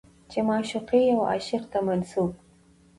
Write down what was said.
چې معشوقې يا عاشق ته منسوب